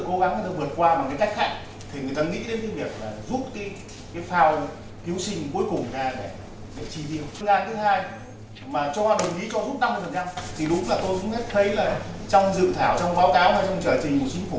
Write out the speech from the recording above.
thì đúng là tôi cũng thấy là trong dự thảo trong báo cáo trong trở trình của chính phủ